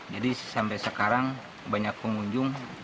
jadi sampai sekarang banyak pengunjung